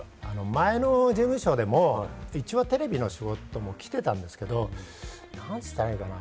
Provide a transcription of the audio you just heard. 前の事務所でもテレビの仕事は来てたんですけど、なんと言ったらいいのかな？